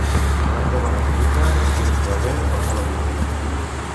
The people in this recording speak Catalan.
L'any de bona collita fins va bé la mula guita.